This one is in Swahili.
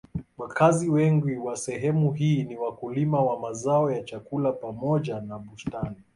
Wakazi wengi wa sehemu hii ni wakulima wa mazao ya chakula pamoja na bustani.